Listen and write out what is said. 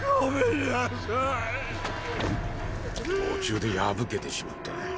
んっ途中で破けてしまっ